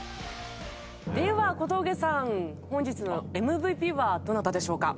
では小峠さん本日のＭＶＰはどなたでしょうか？